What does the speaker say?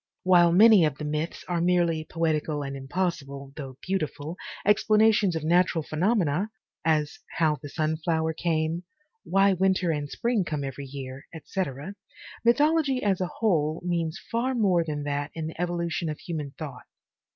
While many of the myths are merely poetical and impossible, though beautiful, explanations of natural phenomena, as How the Sunflower Came, Why Winter and Spring Come Every Year, etc., mythology as a whole means far more than that in the evolu tion of human thought.